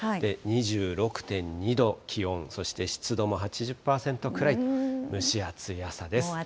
２６．２度、気温、そして湿度も８０％くらいと、蒸し暑い朝です。